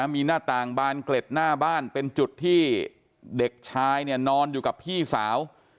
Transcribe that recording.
มีหน้าต่างบานเกล็ดหน้าบ้านเป็นจุดที่เด็กชายเนี่ยนอนอยู่กับพี่สาว